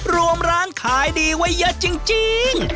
รวมร้านขายดีไว้เยอะจริง